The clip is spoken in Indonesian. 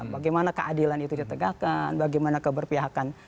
bagaimana keadilan itu ditegakkan bagaimana keberpihakan